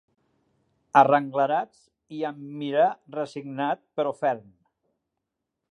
Arrenglerats i amb mirar resignat però ferm